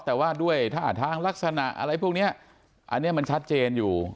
แต่ว่าด้วยท่าทางลักษณะอะไรพวกนี้อันนี้มันชัดเจนอยู่